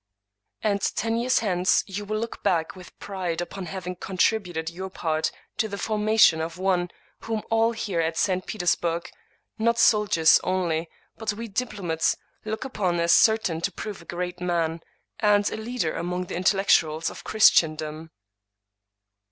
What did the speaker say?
And ten years hence you will look back with pride upon having contributed your part to the for mation of one whom all here at St. Petersburg, not soldiers only, but we diplotnates, look upon as certain to prove a great man, and a leader among the intellects of Chris tendom."